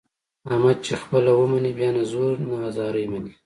احمد چې خپله ومني بیا نه زور نه زارۍ مني.